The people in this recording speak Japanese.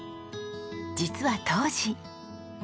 実は当時。